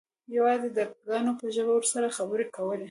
یوازې د کاڼو په ژبه ورسره خبرې کولې.